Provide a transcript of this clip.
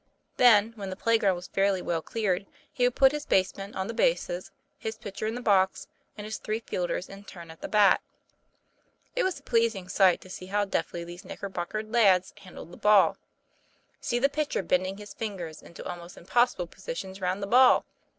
Then, when the play ground was fairly well cleared, he would put his basemen on the bases, his pitch er in the box, and his three fielders in turn at the bat. It was a pleasing sight to see how deftly these TOM PLA YFAIR. 209 knickerbockered lads handled the ball. See the pitcher, bending his fingers into almost impossible positions round the ball